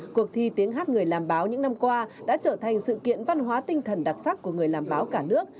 cuộc thi tiếng hát người làm báo những năm qua đã trở thành sự kiện văn hóa tinh thần đặc sắc của người làm báo cả nước